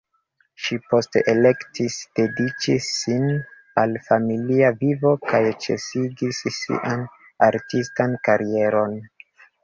Ŝi poste elektis dediĉi sin al familia vivo kaj ĉesigis sian artistan karieron.